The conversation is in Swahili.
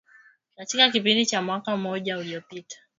katika kipindi cha mwaka mmoja uliopita